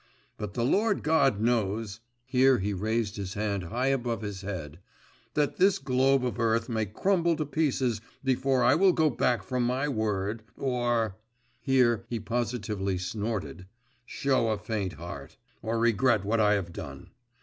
But the Lord God knows (here he raised his hand high above his head) that this globe of earth may crumble to pieces before I will go back from my word, or … (here he positively snorted) show a faint heart, or regret what I have done!